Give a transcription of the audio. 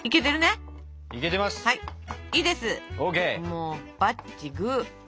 もうバッチグー。